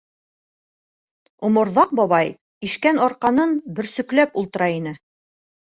Оморҙаҡ бабай ишкән арҡанын бөрсөкләп ултыра ине.